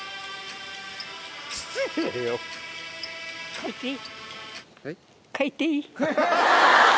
帰っていい？